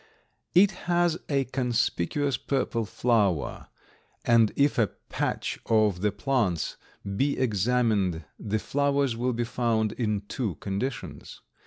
It has a conspicuous purple flower, and if a patch of the plants be examined the flowers will be found in two conditions.